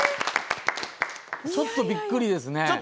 ちょっとびっくりですね。